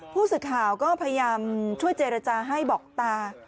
ผู้สื่อข่าวก็พยายามช่วยเจรจาให้บอกตา